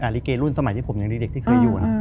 ลิเกะลุ้นสมัยที่ผมเด็กที่เคยอยู่อะ